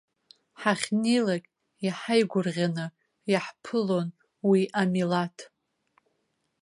Ҳахьнеилак иҳаигәырӷьаны иаҳԥылон уи амилаҭ.